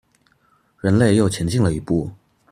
人類又前進了一步